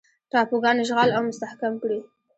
ټاپوګان اشغال او مستحکم کړي.